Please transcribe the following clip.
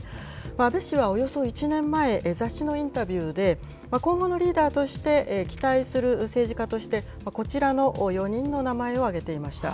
安倍氏はおよそ１年前、雑誌のインタビューで、今後のリーダーとして期待する政治家として、こちらの４人の名前を挙げていました。